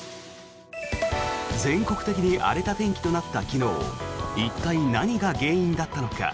全国的に荒れた天気となった昨日一体、何が原因だったのか。